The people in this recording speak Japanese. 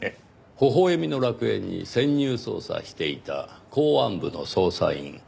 微笑みの楽園に潜入捜査していた公安部の捜査員。